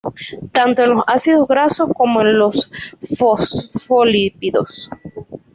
Tanto en los ácidos grasos como en los fosfolípidos.